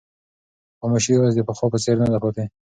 خاموشي اوس د پخوا په څېر نه ده پاتې.